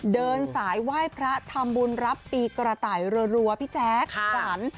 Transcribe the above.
เดินสายไหว้พระทำบุญรับปีกระต่ายรัวพี่แจ๊คขวัญ